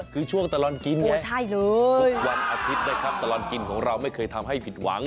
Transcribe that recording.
คือช่วงตลอดกินไงทุกวันอาทิตย์นะครับตลอดกินของเราไม่เคยทำให้ผิดหวัง